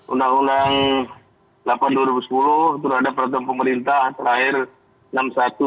undang undang delapan dua ribu sepuluh terhadap peraturan pemerintah terakhir